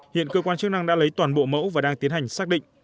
hiện cơ quan chức năng đã lấy toàn bộ mẫu và đang tiến hành xác định